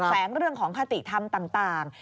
แสงเรื่องของคติธรรมต่าง